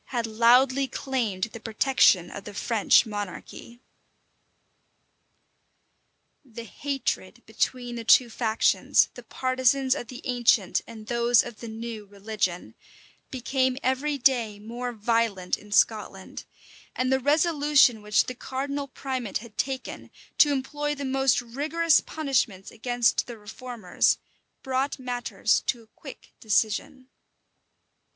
had loudly claimed the protection of the French monarchy. * Father Paul, lib. ii. Sleidan. Père Daniel The hatred between the two factions, the partisans of the ancient and those of the new religion, became every day more violent in Scotland; and the resolution which the cardinal primate had taken, to employ the most rigorous punishments against the reformers, brought matters to a quick decision.